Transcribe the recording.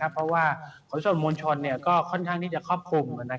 เพราะว่าขนส่งมวลชนก็ค่อนข้างที่จะครอบคลุม